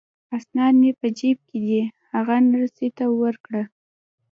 اسناد مې په جیب کې دي، هغه نرسې ته ورکړه.